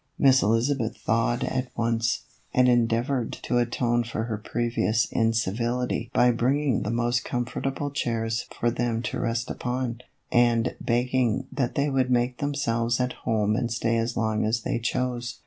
Miss Elizabeth thawed at once, and endeavored to atone for her previous incivility by bringing the Il6 THE EVOLUTION OF A BONNET. most comfortable chairs for them to rest upon, and begging that they would make themselves at home and stay as long as they chose.